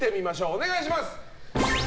お願いします。